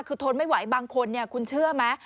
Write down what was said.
คือทนไม่ไหวบางคนเนี่ยคุณเชื่อไหม